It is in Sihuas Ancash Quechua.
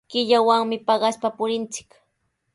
Killawanmi paqaspa purinchik.